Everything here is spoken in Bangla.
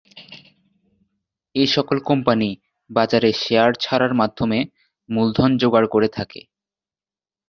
এসকল কোম্পানী বাজারে শেয়ার ছাড়ার মাধ্যমে মূলধন জোগাড় করে থাকে।